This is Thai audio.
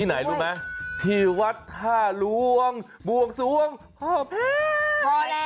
ที่ไหนรู้มั้ยที่วัดท่าลวงบวงสวงพ่อแพทย์